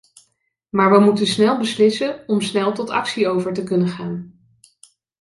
Maar we moeten snel beslissen om snel tot actie over te kunnen gaan.